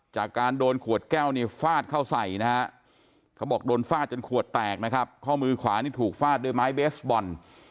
จากการโดนขวดแก้วเนี่ยฟาดเข้าใส่นะฮะเขาบอกโดนฟาดจนขวดแตกนะครับข้อมือขวานี่ถูกฟาดด้วยไม้เบสบอล